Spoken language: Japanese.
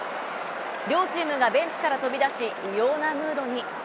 両チームがベンチから飛び出し、異様なムードに。